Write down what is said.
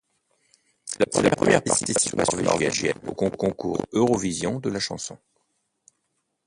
C'est la première participation norvégienne au Concours Eurovision de la chanson.